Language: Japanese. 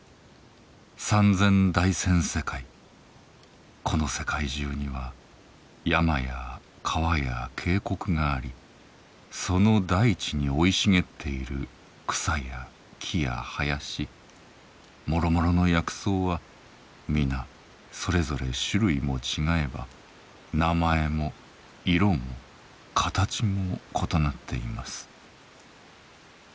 三千大千世界この世界中には山や川や渓谷がありその大地に生い茂っている草や木や林もろもろの薬草は皆それぞれ種類も違えば名前も色も形も異なっています。